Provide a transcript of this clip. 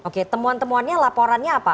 oke temuan temuan nya laporannya apa